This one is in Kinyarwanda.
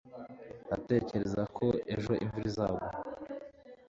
ntatekereza ko ejo imvura izagwa